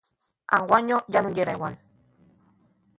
Anguaño yá nun yera igual.